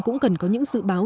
cũng cần có những dự báo